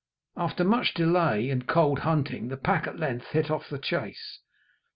After much delay and cold hunting the pack at length hit off the chase.